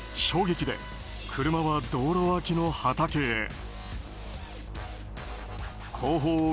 衝撃で、車は道路脇の畑へ。